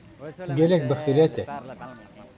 Gelek bixîret e.